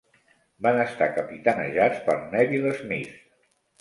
Van estar capitanejats per Neville Smith.